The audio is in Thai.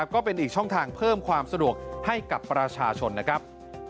ก็เป็นอีกช่องทางเพิ่มความสะดวกให้กับประชาชนนะครับ